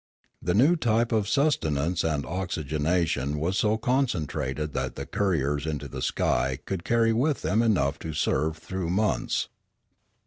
The new type of sustenance and oxygenation was so concentrated that the couriers into the sky could carry with them enough to serve through months.